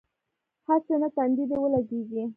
هسې نه تندی دې ولګېږي.